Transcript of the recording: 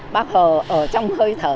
bác ở trong hơi thở